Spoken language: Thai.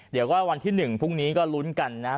เดี๋ยวก็วันที่๑พรุ่งนี้ก็ลุ้นกันนะครับ